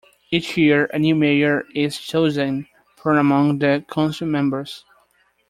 Each year a new mayor is chosen from among the councilmembers.